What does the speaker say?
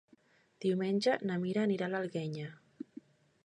Diumenge na Mira anirà a l'Alguenya.